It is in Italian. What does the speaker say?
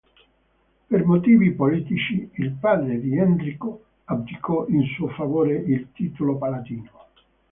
Per motivi politici, il padre di Enrico abdicò in suo favore il titolo palatino.